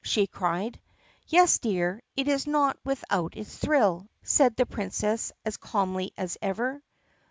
she cried. "Yes, dear, it is not without its thrill," said the Princess as calmly as ever.